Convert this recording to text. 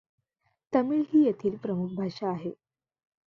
तमिळ ही येथील प्रमुख भाषा आहे.